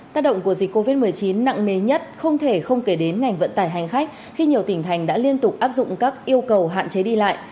tác động của dịch covid một mươi chín nặng nề nhất không thể không kể đến ngành vận tải hành khách khi nhiều tỉnh thành đã liên tục áp dụng các yêu cầu hạn chế đi lại